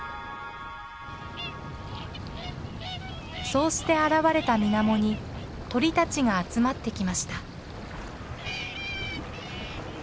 そうして現れた水面に鳥たちが集まってきました。